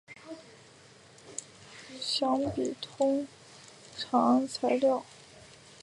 超材料对电磁波的总的响应比通常材料更宽广。